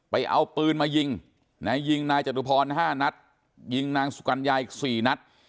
ไปเอาปืนมายิงยิงนายจตุพร๕นัดยิงนางสุกัญญาอีก๔นัด